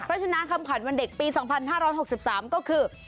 พระชุนาคำขวัญวันเด็กปี๒๕๖๓ก็คือ